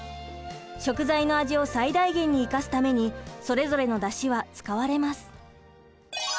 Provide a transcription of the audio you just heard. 食材の味を最大限に生かすためにそれぞれのだしは使われます。